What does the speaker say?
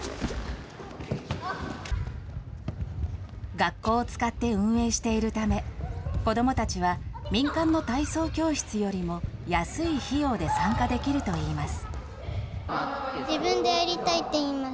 学校を使って運営しているため、子どもたちは民間の体操教室よりも安い費用で参加できるといいます。